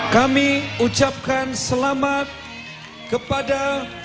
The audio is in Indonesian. kami ucapkan selamat kepada